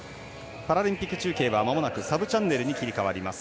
パラリンピック中継はまもなくサブチャンネルに切り替わります。